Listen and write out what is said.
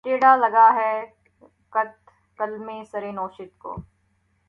ٹیڑھا لگا ہے قط‘ قلمِ سر نوشت کو